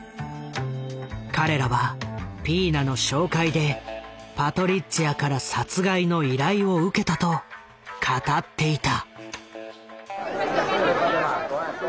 彼らはピーナの紹介でパトリッツィアから殺害の依頼を受けたと語っていた。